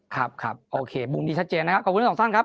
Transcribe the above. ครับครับโอเคมุมนี้ชัดเจนนะครับขอบคุณทั้งสองท่านครับ